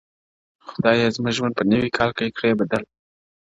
خدایه زموږ ژوند په نوي کال کي کړې بدل;